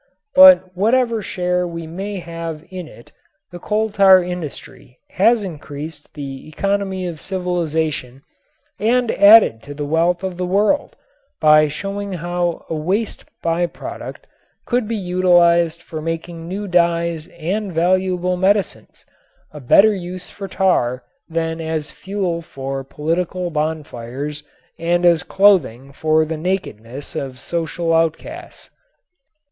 But whatever share we may have in it the coal tar industry has increased the economy of civilization and added to the wealth of the world by showing how a waste by product could be utilized for making new dyes and valuable medicines, a better use for tar than as fuel for political bonfires and as clothing for the nakedness of social outcasts.